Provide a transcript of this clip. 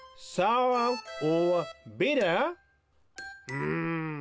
うん。